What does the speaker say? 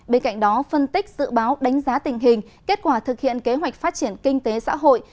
bên cạnh đó phân tích dự báo đánh giá tình hình kết quả thực hiện kế hoạch phát triển kinh tế xã hội